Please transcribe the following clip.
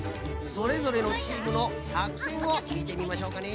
それぞれのチームのさくせんをみてみましょうかね。